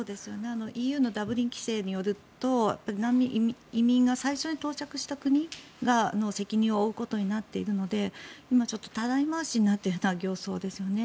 ＥＵのダブリン規制によると移民が最初に到着した国が責任を負うことになっているので今、たらい回しになっている様相ですよね。